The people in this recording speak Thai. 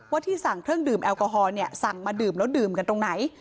ที่สั่งเครื่องดื่มแอลกอฮอล์เนี่ยสั่งมาดื่มแล้วดื่มกันตรงไหน